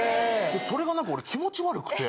・それが何か俺気持ち悪くて。